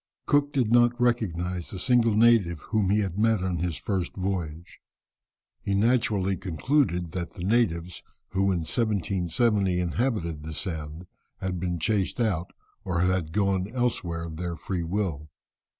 Cook did not recognize a single native whom he had met on his first voyage. He naturally concluded that the natives who in 1770 inhabited the Sound had been chased out, or had gone elsewhere of their free will.